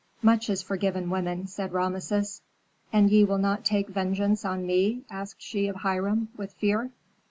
"Much is forgiven women," said Rameses. "And ye will not take vengeance on me?" asked she of Hiram, with fear.